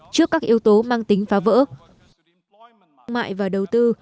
trước các yếu tố mang tính phá vỡ thương mại và đầu tư